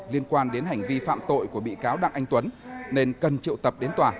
liên quan đến hành vi phạm tội của bị cáo đặng anh tuấn nên cần triệu tập đến tòa